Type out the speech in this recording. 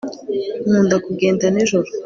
nkunda kugenda nijoro